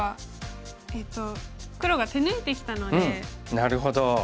なるほど。